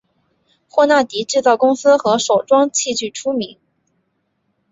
霍纳迪制造公司和手装器具出名。